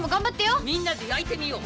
みんなで焼いてみよう！